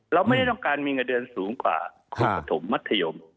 เราไม่ได้ต้องการมีเงินเดือนสูงกว่าครูปฐมมัธยม